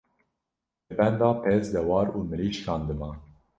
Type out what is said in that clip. li benda pez, dewar û mirîşkan diman.